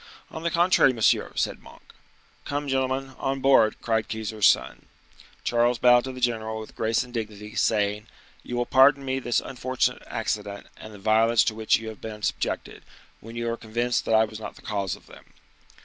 "On the contrary, monsieur," said Monk. "Come, gentlemen, on board," cried Keyser's son. Charles bowed to the general with grace and dignity, saying,—"You will pardon me this unfortunate accident, and the violence to which you have been subjected, when you are convinced that I was not the cause of them."